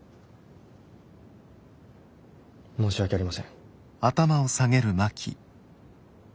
申し訳ありません。